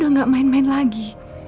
dan ini udah gak main main lagi